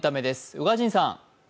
宇賀神さん。